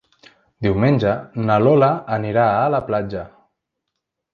Diumenge na Lola anirà a la platja.